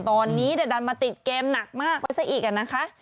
ตอนนี้แต่ดันมาติดเกมหนักมากกว่าสิกน่ะนะคะ